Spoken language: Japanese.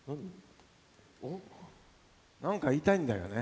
何か言いたいんだよね。